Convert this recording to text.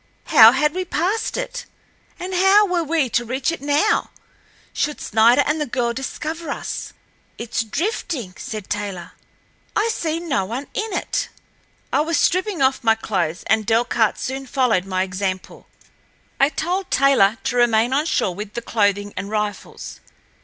How had we passed it? And how were we to reach it now, should Snider and the girl discover us? "Itl's drifting," said Taylor. "I see no one in it." I was stripping off my clothes, and Delcarte soon followed my example. I told Taylor to remain on shore with the clothing and rifles.